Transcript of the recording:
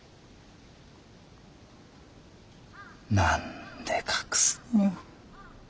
何で隠すのよ。